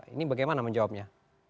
ini bagaimana menjawabnya